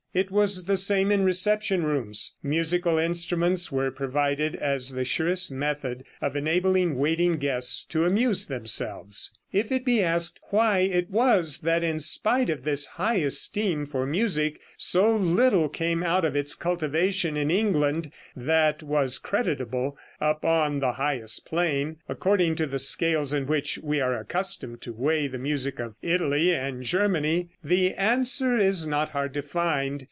It was the same in reception rooms; musical instruments were provided as the surest method of enabling waiting guests to amuse themselves. If it be asked why it was that in spite of this high esteem for music so little came out of its cultivation in England that was creditable upon the highest plane, according to the scales in which we are accustomed to weigh the music of Italy and Germany, the answer is not hard to find.